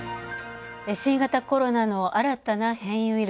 新型コロナの新たな変異ウイル